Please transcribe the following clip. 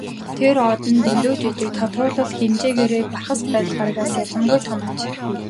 Тэр од нь дэндүү жижиг, тодруулбал хэмжээгээрээ Бархасбадь гаригаас ялимгүй том аж.